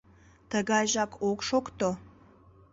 — Тыгайжак ок шокто.